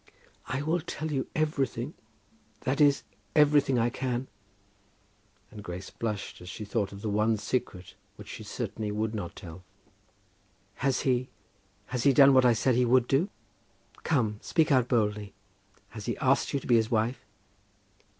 "I will tell you everything; that is, everything I can." And Grace blushed as she thought of the one secret which she certainly would not tell. "Has he, has he done what I said he would do? Come, speak out boldly. Has he asked you to be his wife?"